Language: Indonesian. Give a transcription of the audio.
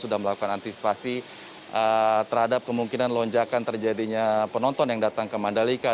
sudah melakukan antisipasi terhadap kemungkinan lonjakan terjadinya penonton yang datang ke mandalika